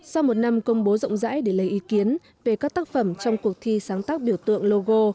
sau một năm công bố rộng rãi để lấy ý kiến về các tác phẩm trong cuộc thi sáng tác biểu tượng logo